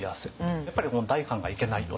やっぱり代官がいけないよなと。